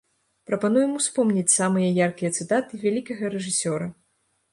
Прапануем успомніць самыя яркія цытаты вялікага рэжысёра.